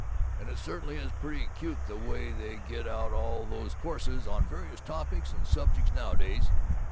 And it certainly is pretty cute the way they get out all these courses on various topics and subjects nowadays.